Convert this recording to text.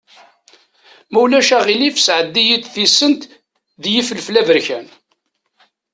Ma ulac aɣilif sɛeddi-yi-d tisent d yifelfel aberkan.